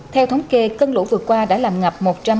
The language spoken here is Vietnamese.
theo thống kê cân lũ vừa qua đã làm ngập